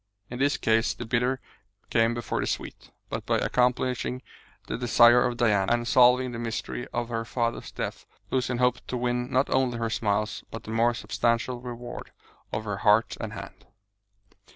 In this case the bitter came before the sweet. But by accomplishing the desire of Diana, and solving the mystery of her father's death, Lucian hoped to win not only her smiles but the more substantial reward of her heart and hand.